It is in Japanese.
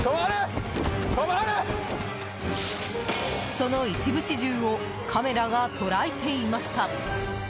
その一部始終をカメラが捉えていました。